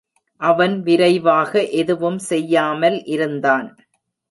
அவன் விரைவாக எதுவும் செய்யாமல் இருந்தான்.